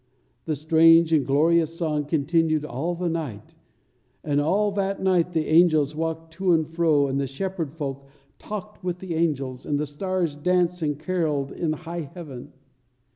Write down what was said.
The strange and glorious song continued all the night; and all that night the angels walked to and fro, and the shepherd folk talked with the angels, and the stars danced and carolled in high heaven.